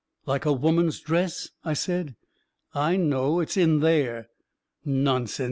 " Like a woman's dress," I said. " I know. It's in there!" " Nonsense